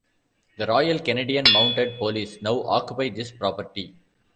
The Royal Canadian Mounted Police now occupy this property.